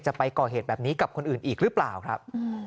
จะไปก่อเหตุแบบนี้กับคนอื่นอีกหรือเปล่าครับ